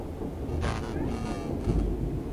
دروقینون